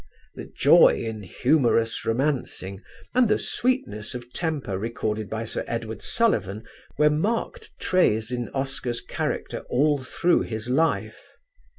The joy in humorous romancing and the sweetness of temper recorded by Sir Edward Sullivan were marked traits in Oscar's character all through his life.